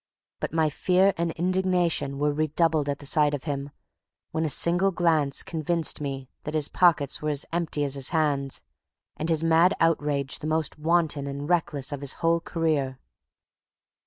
But my fear and indignation were redoubled at the sight of him, when a single glance convinced me that his pockets were as empty as his hands, and his mad outrage the most wanton and reckless of his whole career.